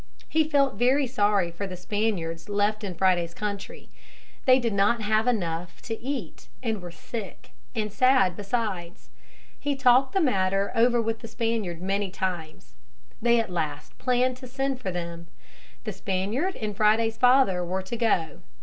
He felt very sorry for the Spaniards left in Friday's country. They did not have enough to eat and were sick and sad besides. He talked the matter over with the Spaniard many times. They at last planned to send for them. The Spaniard and Friday's father were to go.